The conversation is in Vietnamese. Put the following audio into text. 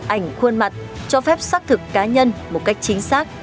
ảnh khuôn mặt cho phép xác thực cá nhân một cách chính xác